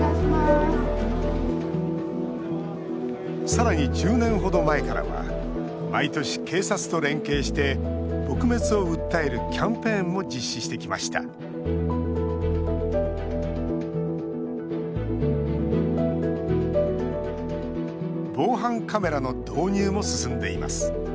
さらに１０年ほど前からは毎年、警察と連携して撲滅を訴えるキャンペーンも実施してきました防犯カメラの導入も進んでいます。